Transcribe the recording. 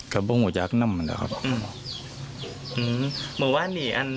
ข้ามฟ้องูจะอักนำกัน